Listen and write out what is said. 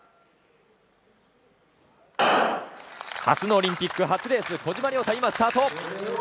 初のオリンピック、初レース小島良太、スタート。